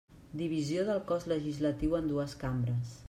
Divisió del cos legislatiu en dues cambres.